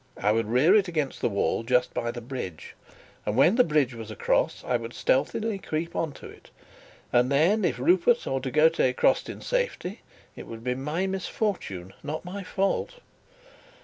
I would rear it against the wall just by the bridge; and when the bridge was across, I would stealthily creep on to it and then if Rupert or De Gautet crossed in safety, it would be my misfortune, not my fault.